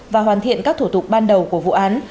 và hoàn thiện các thủ tục ban đầu của vụ án